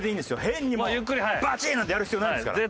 変にもうバチーンなんてやる必要ないですから。